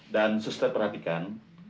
dan sustermin perhatikan